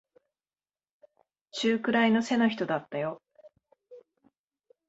中くらいの背の人だったよ。